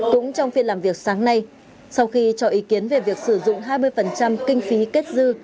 cũng trong phiên làm việc sáng nay sau khi cho ý kiến về việc sử dụng hai mươi kinh phí kết dư